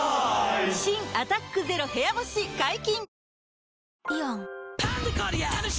新「アタックＺＥＲＯ部屋干し」解禁‼